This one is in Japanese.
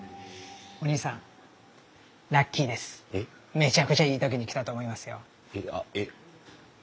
めちゃくちゃいい時に来たと思いますよ。え？あっえ？